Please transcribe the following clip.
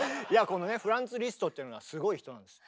このねフランツ・リストっていうのがすごい人なんです。